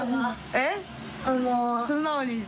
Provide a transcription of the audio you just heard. えっ？